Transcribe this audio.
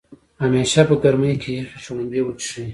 همیشه په ګرمۍ کې يخې شړومبۍ وڅښئ